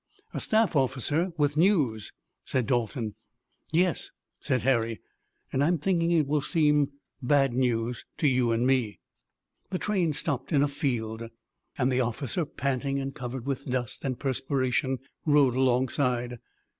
"A staff officer with news," said Dalton. "Yes," said Harry, "and I'm thinking it will seem bad news to you and me." The train stopped in a field, and the officer, panting and covered with dust and perspiration, rode alongside.